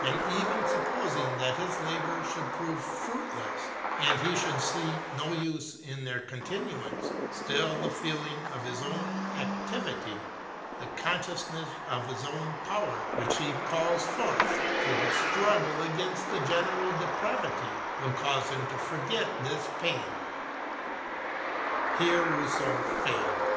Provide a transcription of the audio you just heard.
And even supposing his labours should prove fruitless, and he should see no use hi their continuance, still the feeling of his own activity, the consciousness of his own power which he calls forth to the struggle against the general depravity, will cause him to forget this pain. Here Kousseau failed.